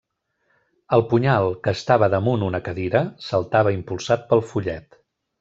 El punyal, que estava damunt una cadira, saltava impulsat pel fullet.